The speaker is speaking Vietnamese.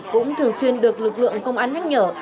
cũng thường xuyên được lực lượng công an nhắc nhở